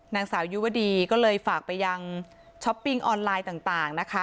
นางสาวยุวดีก็เลยฝากไปยังช้อปปิ้งออนไลน์ต่างนะคะ